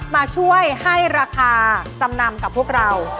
มาช่วยให้ราคาจำนำกับพวกเรา